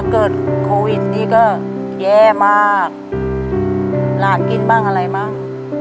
โควิดที่ก็แย่มากแหล่นกินบ้างอะไรมาก